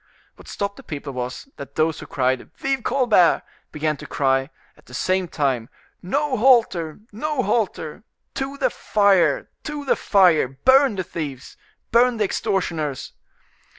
What stopped the people was, that those who cried "Vive Colbert!" began to cry, at the same time, "No halter! no halter! to the fire! to the fire! burn the thieves! burn the extortioners!"